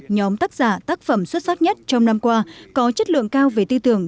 nhóm tác giả tác phẩm xuất sắc nhất trong năm qua có chất lượng cao về tư tưởng